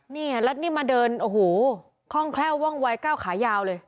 นี่แล้วนี่มาเดินโอ้โหคล่องแคล่วว่องวัยก้าวขายาวเลย